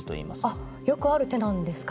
あっよくある手なんですか。